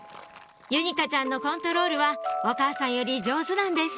ゆにかちゃんのコントロールはお母さんより上手なんです